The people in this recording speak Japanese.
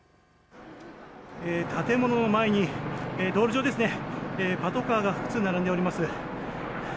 建物の前に、道路上パトカーが複数並んでおります。